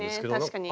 確かに。